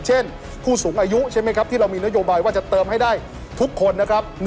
ผู้สูงอายุใช่ไหมครับที่เรามีนโยบายว่าจะเติมให้ได้ทุกคนนะครับ